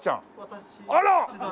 あら！